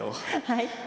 「はい。